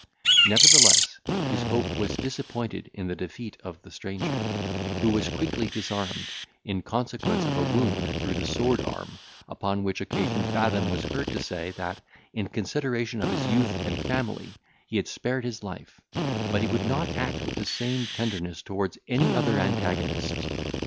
Nevertheless, his hope was disappointed in the defeat of the stranger, who was quickly disarmed, in consequence of a wound through the sword arm; upon which occasion Fathom was heard to say, that, in consideration of his youth and family, he had spared his life; but he would not act with the same tenderness towards any other antagonist.